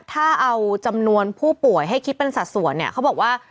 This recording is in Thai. ถ้าเอาจำนวนผู้ป่วยให้คิดเป็นสัดส่วนเนี่ยเขาบอกว่า